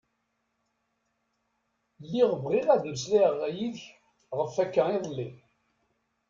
Lliɣ bɣiɣ ad meslayeɣ yid-k ɣef akka iḍelli.